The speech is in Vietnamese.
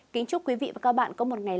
kính chúc quý vị và các bạn có một ngày